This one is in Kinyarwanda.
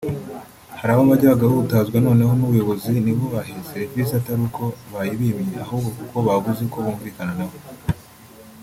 Hari aho bajya bagahutazwa noneho n’ubuyobozi ntibubahe serivisi atari uko bayibimye ahubwo kuko babuze uko bumvikana nawe